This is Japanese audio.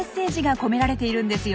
込められているんですよ。